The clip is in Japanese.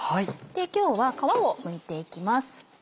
今日は皮をむいていきます。